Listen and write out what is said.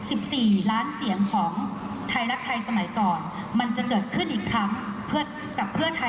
มันจะเดินขึ้นอีกครั้งกับเพื่อไทยในวันนี้ค่ะ